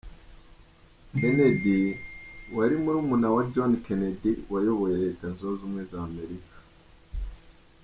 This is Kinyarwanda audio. Kennedy, wari murumuna wa John Kennedy wayoboye Leta Zunze Ubumwe z’Amerika.